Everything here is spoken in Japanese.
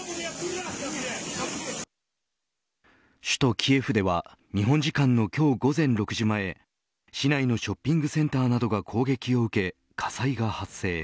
首都キエフでは日本時間の今日午前６時前市内のショッピングセンターなどが攻撃を受け火災が発生。